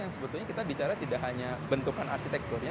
yang sebetulnya kita bicara tidak hanya bentukan arsitekturnya